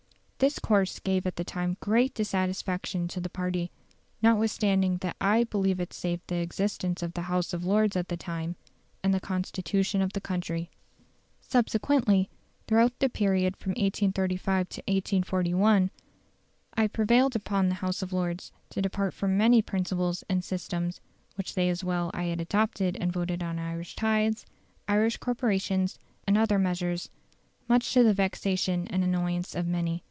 This course gave at the time great dissatisfaction to the party; notwithstanding that I believe it saved the existence of the House of Lords at the time, and the Constitution of the country. "Subsequently, throughout the period from 1835 to 1841, I prevailed upon the House of Lords to depart from many principles and systems which they as well as I had adopted and voted on Irish tithes, Irish corporations, and other measures, much to the vexation and annoyance of many.